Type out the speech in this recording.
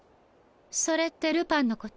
それってルパンのこと？